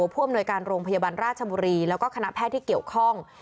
ผู้อำนวยการโรงพยาบาลราชบุรีแล้วก็คณะแพทย์ที่เกี่ยวข้อง